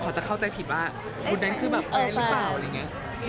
จะเข้าใจผิดว่าคุณแดนคือแบบอะไรหรือเปล่าอะไรอย่างนี้